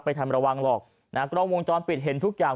ทำระวังหรอกนะฮะกล้องวงจรปิดเห็นทุกอย่าง